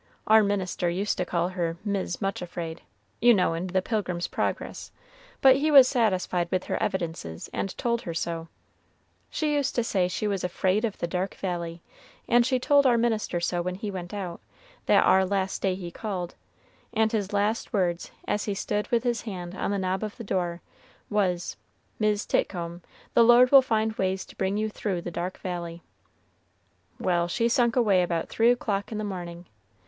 Our minister used to call her 'Mis' Muchafraid' you know, in the 'Pilgrim's Progress' but he was satisfied with her evidences, and told her so; she used to say she was 'afraid of the dark valley,' and she told our minister so when he went out, that ar last day he called; and his last words, as he stood with his hand on the knob of the door, was 'Mis' Titcomb, the Lord will find ways to bring you thro' the dark valley.' Well, she sunk away about three o'clock in the morning.